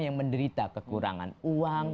yang menderita kekurangan uang